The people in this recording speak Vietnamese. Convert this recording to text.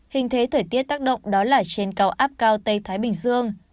hình thế thời tiết tác động đó là trên cao áp cao tây thái bình dương